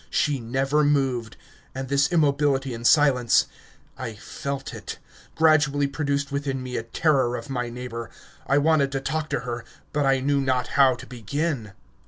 She never moved, and this immobility and silence I felt it gradually produced within me a terror of my neighbour. I wanted to talk to her, but I knew not how to begin.